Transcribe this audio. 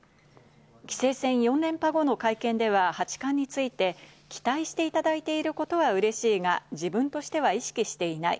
棋聖戦４連覇後の会見では、八冠について、期待していただいていることはうれしいが、自分としては意識していない。